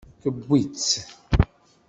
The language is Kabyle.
Tewwi-tt.